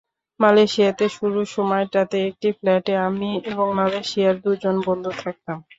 মালয়েশিয়াতে শুরুর সময়টাতে একটি ফ্ল্যাটে আমি এবং মালয়েশিয়ার দুজন বন্ধু থাকতাম।